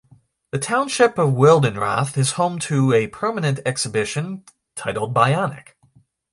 The township of Wildenrath is home to a permanent exhibition, titled "Bionic".